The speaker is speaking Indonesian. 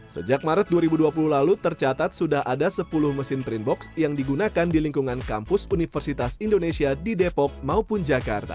sejak maret dua ribu dua puluh lalu tercatat sudah ada sepuluh mesin print box yang digunakan di lingkungan kampus universitas indonesia di depok maupun jakarta